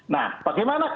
nah bagaimana kasusnya